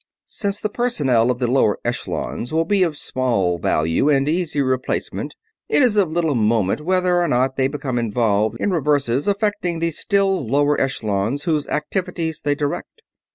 "Since the personnel of the lower echelons will be of small value and easy of replacement, it is of little moment whether or not they become involved in reverses affecting the still lower echelons whose activities they direct.